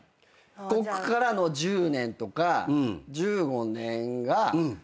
こっからの１０年とか１５年が何をこう。